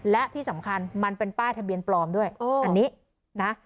และที่สำคัญมันเป็นป้ายทะเบียนปลอมด้วยอันนี้นะ